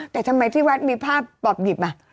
แต่ทำไมที่วัดมีภาพปอบหยิบอ่ะ